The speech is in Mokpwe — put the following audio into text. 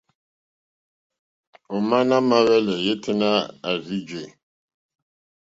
Òmá nà mà hwɛ́lɛ́ yêténá à rzí jè.